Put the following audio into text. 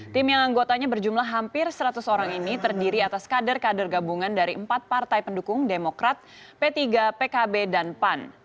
tim yang anggotanya berjumlah hampir seratus orang ini terdiri atas kader kader gabungan dari empat partai pendukung demokrat p tiga pkb dan pan